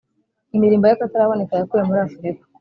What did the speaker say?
imirimbo y akataraboneka yakuwe muri afurika